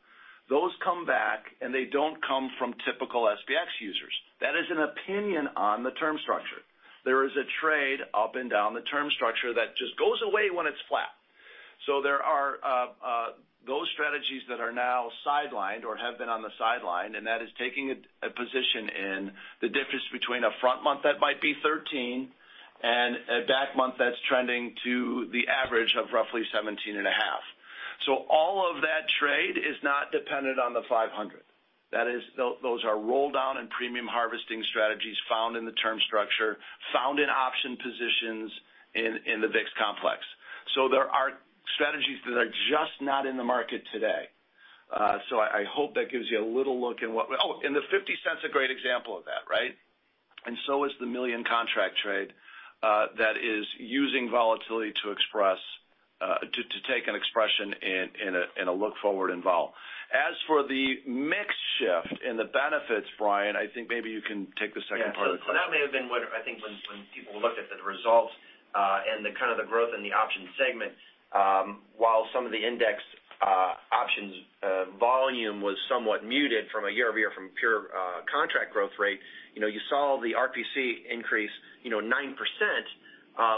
S3: Those come back, and they don't come from typical SPX users. That is an opinion on the term structure. There is a trade up and down the term structure that just goes away when it's flat. There are those strategies that are now sidelined or have been on the sideline, and that is taking a position in the difference between a front month that might be 13 and a back month that's trending to the average of roughly 17 and a half. All of that trade is not dependent on the 500. Those are roll down and premium harvesting strategies found in the term structure, found in option positions in the VIX complex. There are strategies that are just not in the market today. I hope that gives you a little look in what we. Oh, and the $0.50's a great example of that, right? So is the million contract trade, that is using volatility to take an expression in a look-forward in vol. As for the mix shift and the benefits, Brian, I think maybe you can take the second part of the question.
S4: That may have been what I think when people looked at the results, and the kind of the growth in the option segment, while some of the index options volume was somewhat muted from a year-over-year from pure contract growth rate. You saw the RPC increase 9%,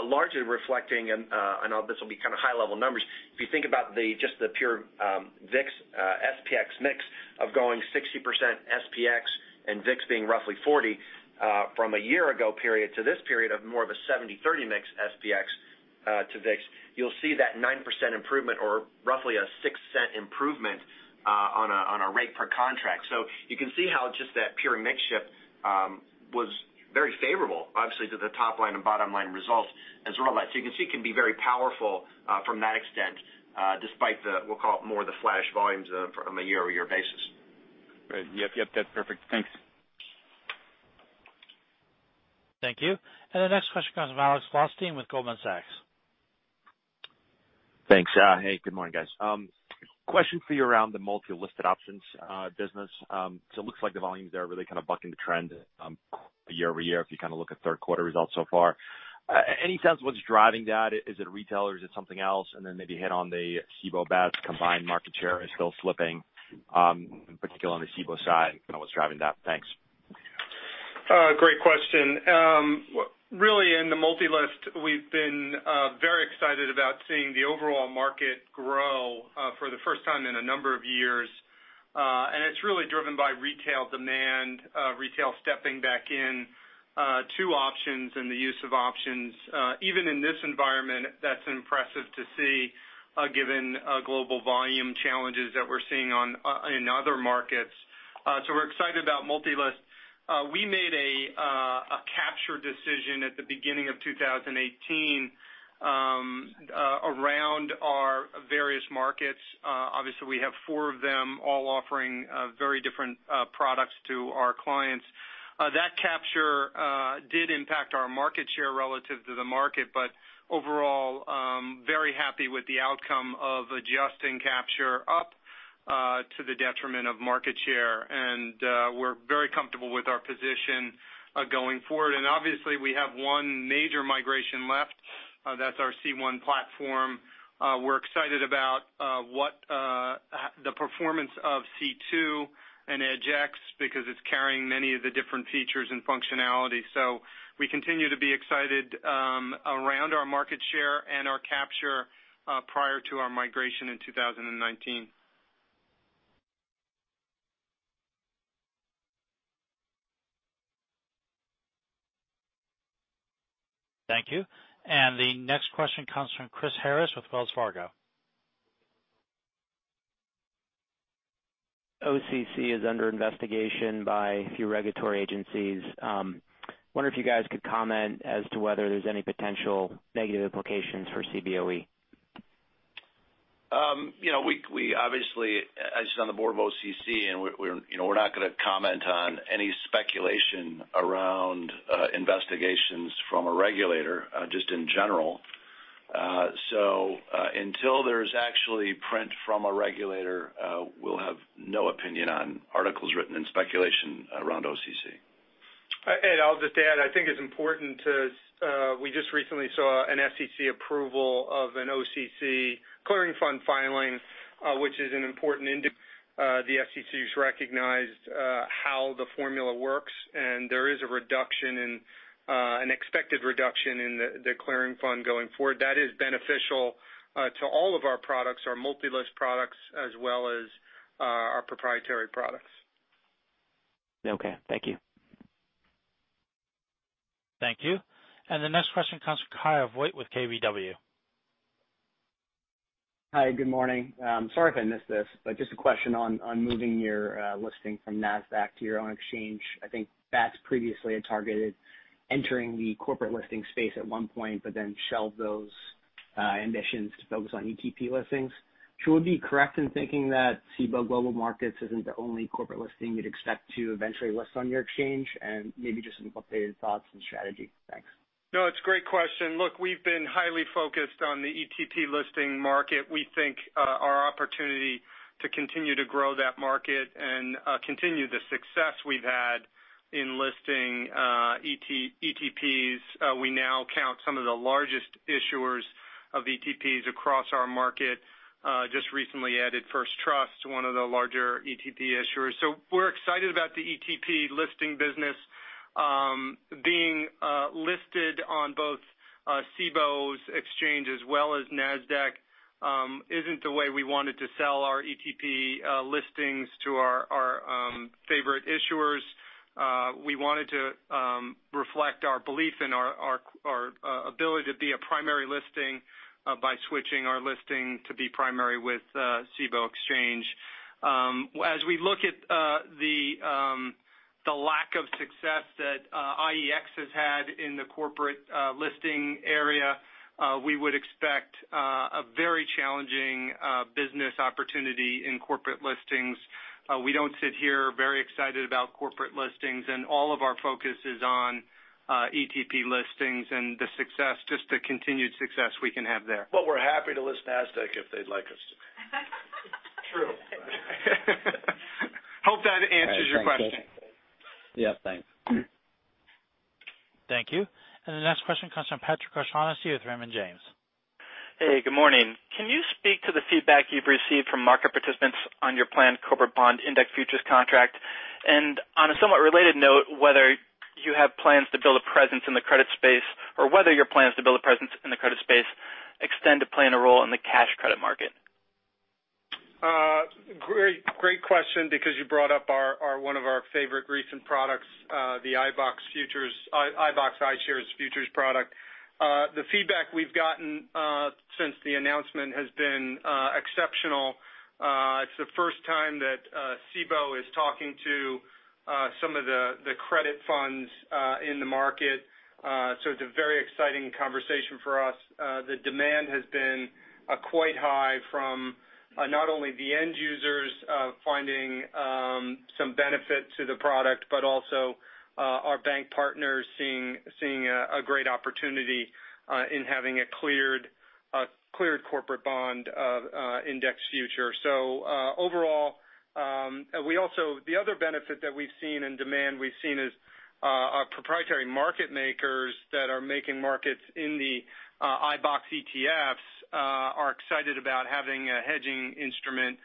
S4: largely reflecting, and I know this will be kind of high-level numbers. If you think about just the pure VIX SPX mix of going 60% SPX and VIX being roughly 40%, from a year-ago period to this period of more of a 70/30 mix SPX to VIX, you'll see that 9% improvement or roughly a $0.06 improvement, on a rate per contract. You can see how just that pure mix shift was very favorable, obviously, to the top line and bottom line results as a result of that. You can see it can be very powerful from that extent, despite the, we'll call it more of the flattish volumes from a year-over-year basis.
S13: Great. Yep. That's perfect. Thanks.
S1: Thank you. The next question comes from Alexander Blostein with Goldman Sachs.
S14: Thanks. Hey, good morning, guys. Question for you around the multi-listed options business. It looks like the volumes there are really kind of bucking the trend year-over-year if you kind of look at third quarter results so far. Any sense of what's driving that? Is it retail or is it something else? Then maybe hit on the Cboe Bats combined market share is still slipping, in particular on the Cboe side, what's driving that? Thanks.
S6: Great question. Really in the multi-list, we've been very excited about seeing the overall market grow for the first time in a number of years. It's really driven by retail demand, retail stepping back in to options and the use of options. Even in this environment, that's impressive to see given global volume challenges that we're seeing in other markets. We're excited about multi-list. We made a capture decision at the beginning of 2018 around our various markets. Obviously, we have four of them all offering very different products to our clients. That capture did impact our market share relative to the market, but overall, very happy with the outcome of adjusting capture up to the detriment of market share. We're very comfortable with our position going forward. Obviously, we have one major migration left. That's our C1 platform.
S3: We're excited about what the performance of C2 and EDGX, because it's carrying many of the different features and functionality. We continue to be excited around our market share and our capture prior to our migration in 2019.
S1: Thank you. The next question comes from Chris Harris with Wells Fargo.
S15: OCC is under investigation by a few regulatory agencies. Wonder if you guys could comment as to whether there's any potential negative implications for Cboe.
S3: We obviously, as on the board of OCC, and we're not going to comment on any speculation around investigations from a regulator, just in general. Until there's actually print from a regulator, we'll have no opinion on articles written in speculation around OCC.
S6: Ed, I'll just add, I think it's important to, we just recently saw an SEC approval of an OCC clearing fund filing, which is an important indicator. The SEC's recognized how the formula works, and there is an expected reduction in the clearing fund going forward. That is beneficial to all of our products, our multi-list products, as well as our proprietary products.
S15: Okay, thank you.
S1: Thank you. The next question comes from Kyle Voigt with KBW.
S16: Hi, good morning. Sorry if I missed this, but just a question on moving your listing from Nasdaq to your own exchange. I think Bats previously had targeted entering the corporate listing space at one point, but then shelved those ambitions to focus on ETP listings. Should we be correct in thinking that Cboe Global Markets isn't the only corporate listing you'd expect to eventually list on your exchange? Maybe just some updated thoughts and strategy. Thanks.
S6: No, it's a great question. Look, we've been highly focused on the ETP listing market. We think our opportunity to continue to grow that market and continue the success we've had in listing ETPs, we now count some of the largest issuers of ETPs across our market, just recently added First Trust, one of the larger ETP issuers. We're excited about the ETP listing business. Being listed on both Cboe's exchange as well as Nasdaq isn't the way we wanted to sell our ETP listings to our favorite issuers. We wanted to reflect our belief and our ability to be a primary listing by switching our listing to be primary with Cboe exchange. As we look at the lack of success that IEX has had in the corporate listing area, we would expect a very challenging business opportunity in corporate listings. We don't sit here very excited about corporate listings, and all of our focus is on ETP listings and the success, just the continued success we can have there.
S3: We're happy to list Nasdaq if they'd like us to.
S6: True. Hope that answers your question.
S16: All right. Thanks, Chris. Yep, thanks.
S1: Thank you. The next question comes from Patrick O'Shaughnessy with Raymond James.
S17: Hey, good morning. Can you speak to the feedback you've received from Markit participants on your planned corporate bond index futures contract? On a somewhat related note, whether you have plans to build a presence in the credit space, or whether your plans to build a presence in the credit space extend to playing a role in the cash credit market.
S6: Great question, because you brought up one of our favorite recent products, the iBoxx iShares futures product. The feedback we've gotten since the announcement has been exceptional. It's the first time that Cboe is talking to some of the credit funds in the market. It's a very exciting conversation for us. The demand has been quite high from not only the end users finding some benefit to the product, but also our bank partners seeing a great opportunity in having a cleared corporate bond index future. Overall, the other benefit that we've seen in demand we've seen is our proprietary market makers that are making markets in the iBoxx ETFs are excited about having a hedging instrument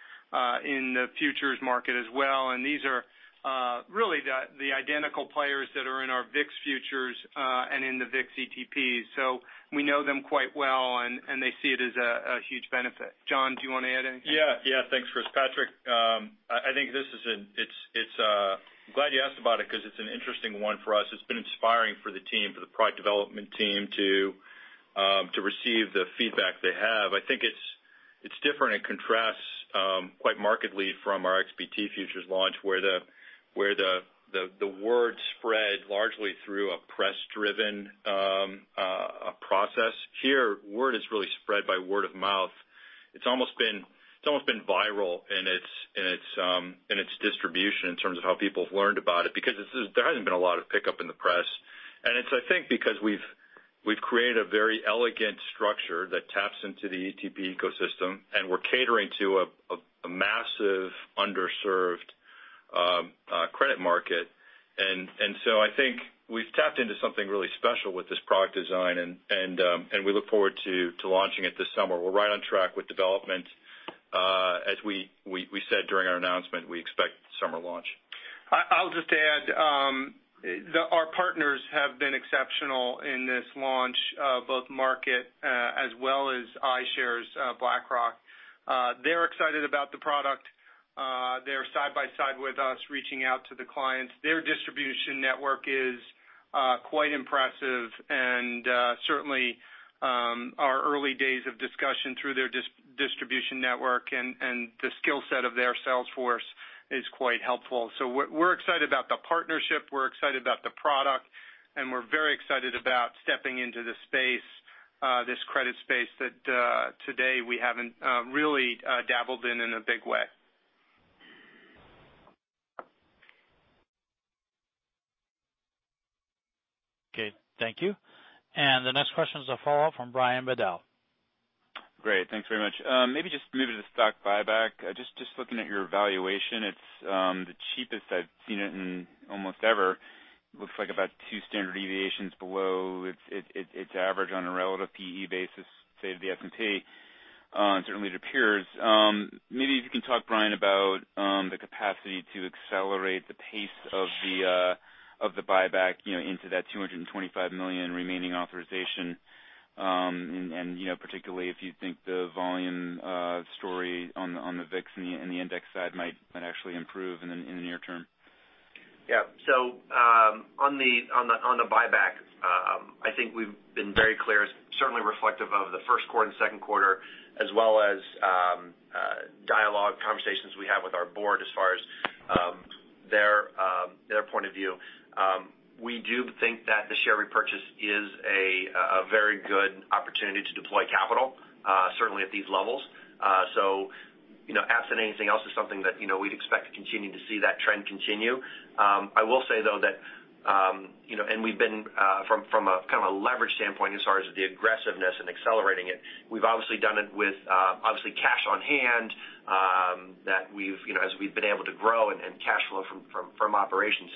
S6: in the futures market as well. These are really the identical players that are in our VIX futures and in the VIX ETPs. We know them quite well, and they see it as a huge benefit. John, do you want to add anything?
S7: Yeah. Thanks, Chris. Patrick, I'm glad you asked about it because it's an interesting one for us. It's been inspiring for the team, for the product development team to receive the feedback they have. I think it's different. It contrasts quite markedly from our XBT futures launch, where the word spread largely through a press-driven process. Here, word has really spread by word of mouth. It's almost been viral in its distribution in terms of how people have learned about it, because there hasn't been a lot of pickup in the press. It's, I think, because we've created a very elegant structure that taps into the ETP ecosystem, and we're catering to a massive underserved credit market. I think we've tapped into something really special with this product design, and we look forward to launching it this summer. We're right on track with development. As we said during our announcement, we expect summer launch.
S6: I'll just add, our partners have been exceptional in this launch, both Markit as well as iShares BlackRock. They're excited about the product. They're side by side with us, reaching out to the clients. Their distribution network is quite impressive, and certainly our early days of discussion through their distribution network and the skill set of their sales force is quite helpful. We're excited about the partnership, we're excited about the product, and we're very excited about stepping into this space, this credit space that today we haven't really dabbled in in a big way.
S1: Okay, thank you. The next question is a follow-up from Brian Bedell.
S13: Great. Thanks very much. Maybe just moving to the stock buyback. Just looking at your valuation, it's the cheapest I've seen it in almost ever. Looks like about two standard deviations below its average on a relative PE basis, say, to the S&P. Certainly it appears. Maybe if you can talk, Brian, about the capacity to accelerate the pace of the buyback into that $225 million remaining authorization. Particularly if you think the volume story on the VIX and the index side might actually improve in the near term.
S4: On the buyback, I think we've been very clear, certainly reflective of the first quarter and second quarter as well as dialogue, conversations we have with our board as far as their point of view. We do think that the share repurchase is a very good opportunity to deploy capital, certainly at these levels. Absent anything else is something that we'd expect to continue to see that trend continue. I will say, though, that from a leverage standpoint, as far as the aggressiveness and accelerating it, we've obviously done it with cash on hand as we've been able to grow and cash flow from operations.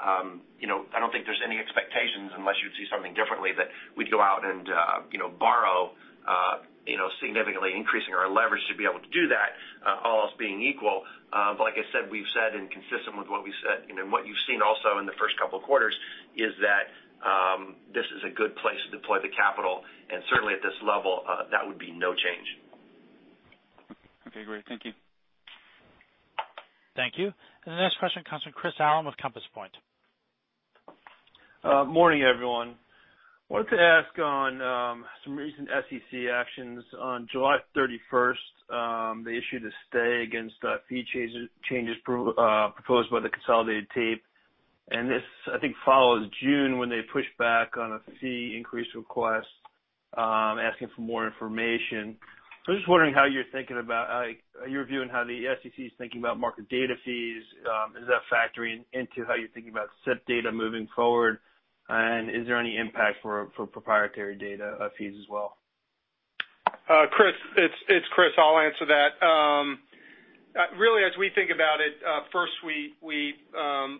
S4: I don't think there's any expectations, unless you'd see something differently, that we'd go out and borrow, significantly increasing our leverage to be able to do that, all else being equal. Like I said, we've said, and consistent with what we've said, and what you've seen also in the first couple of quarters, is that this is a good place to deploy the capital. Certainly at this level, that would be no change.
S13: Great. Thank you.
S1: Thank you. The next question comes from Chris Allen with Compass Point.
S18: Morning, everyone. Wanted to ask on some recent SEC actions. On July 31st, they issued a stay against fee changes proposed by the consolidated tape. This, I think, follows June, when they pushed back on a fee increase request, asking for more information. I'm just wondering how you're thinking about your view on how the SEC is thinking about market data fees. Is that factoring into how you're thinking about SIP data moving forward? Is there any impact for proprietary data fees as well?
S6: Chris, it's Chris. I'll answer that. Really as we think about it, first, we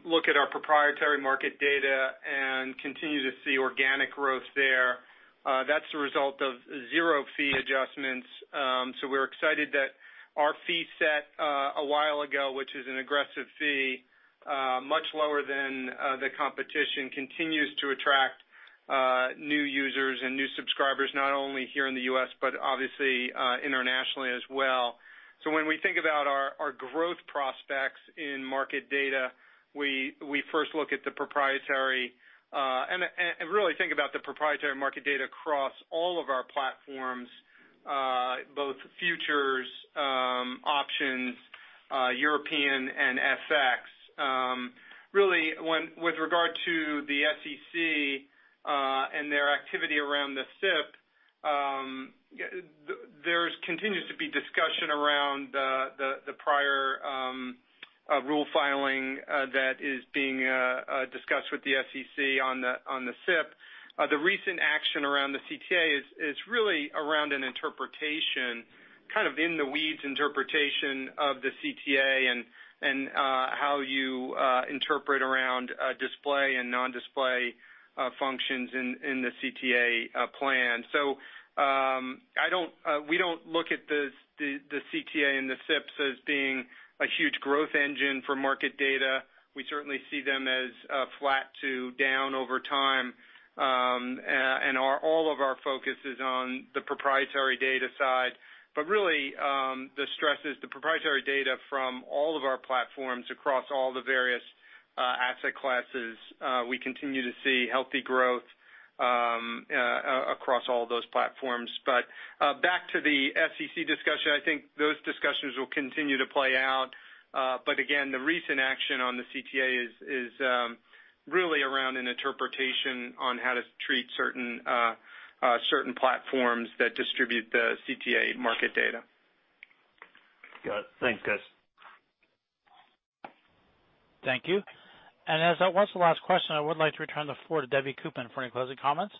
S6: look at our proprietary market data and continue to see organic growth there. That's the result of zero fee adjustments. We're excited that our fee set a while ago, which is an aggressive fee, much lower than the competition, continues to attract new users and new subscribers, not only here in the U.S., but obviously internationally as well. When we think about our growth prospects in market data, we first look at the proprietary and really think about the proprietary market data across all of our platforms, both futures, options, European, and FX. Really, with regard to the SEC and their activity around the SIP, there continues to be discussion around the prior rule filing that is being discussed with the SEC on the SIP. The recent action around the CTA is really around an interpretation, kind of in-the-weeds interpretation of the CTA, and how you interpret around display and non-display functions in the CTA plan. We don't look at the CTA and the SIPs as being a huge growth engine for market data. We certainly see them as flat to down over time. All of our focus is on the proprietary data side. Really, the stress is the proprietary data from all of our platforms across all the various asset classes. We continue to see healthy growth across all those platforms. Back to the SEC discussion, I think those discussions will continue to play out. Again, the recent action on the CTA is really around an interpretation on how to treat certain platforms that distribute the CTA market data.
S18: Got it. Thanks, guys.
S1: Thank you. As that was the last question, I would like to return the floor to Debbie Koopman for any closing comments.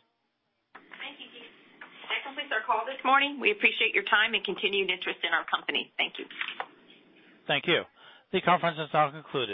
S2: Thank you, Steve. That completes our call this morning. We appreciate your time and continued interest in our company. Thank you.
S1: Thank you. The conference is now concluded.